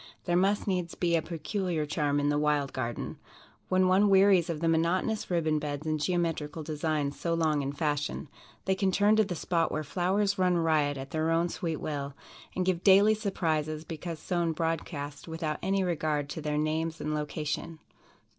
There must needs be a peculiar charm in the "Wild Garden." When one wearies of the monotonous ribbon beds and geometrical designs so long in fashion, they can turn to the spot where flowers run riot at their own sweet will, and give daily surprises because sown broadcast without any regard to their names and location.